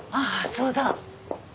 そうだ。